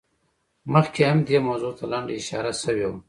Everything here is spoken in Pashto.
مخکې هم دې موضوع ته لنډه اشاره شوې وه.